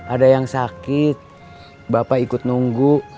ada yang sakit bapak ikut nunggu